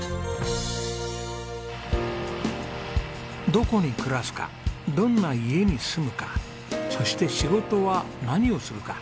どこに暮らすかどんな家に住むかそして仕事は何をするか。